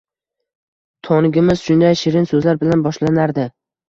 Tongimiz shunday shirin so’zlar bilan boshlanardi.